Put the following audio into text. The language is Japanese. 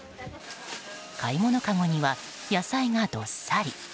買い物かごには野菜がどっさり。